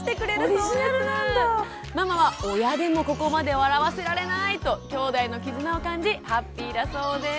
ママは「親でもここまで笑わせられない」ときょうだいの絆を感じハッピーだそうです。